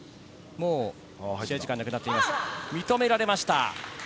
認められました。